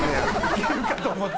いけるかと思ったのに。